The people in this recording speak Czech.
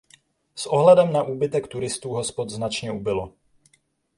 S ohledem na úbytek turistů hospod značně ubylo.